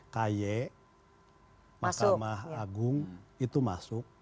kaye makamah agung itu masuk